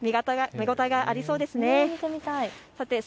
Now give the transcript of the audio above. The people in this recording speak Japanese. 見応えがありそうですね。